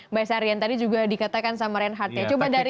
mbak sarian tadi juga dikatakan sama reinhardt ya coba dari